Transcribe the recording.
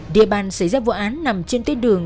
địa bàn xảy ra vụ án nằm trên tuyến đường